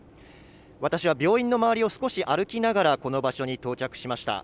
私は病院の周りを少し歩きながらこの場所に到着しました。